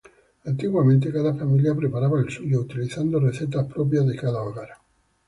Antiguamente cada familia preparaba el suyo, utilizando recetas propias de cada hogar.